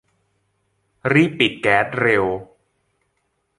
รีบปิดแก๊สเร็ว !